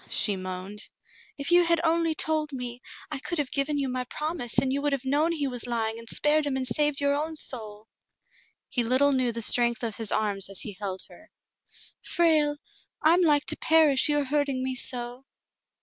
she moaned, "if you had only told me, I could have given you my promise and you would have known he was lying and spared him and saved your own soul." He little knew the strength of his arms as he held her. "Frale! I am like to perish, you are hurting me so."